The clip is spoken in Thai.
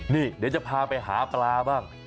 นี่เดี๋ยวจะพาไปหาปลาบ้าง